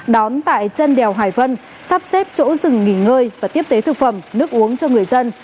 đón tại chân đèo hải vân sắp xếp chỗ dừng nghỉ ngơi và tiếp tế thực phẩm nước uống cho người dân